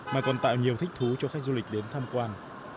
mà còn tạo nhiều thích thú cho khách du lịch đến tham quan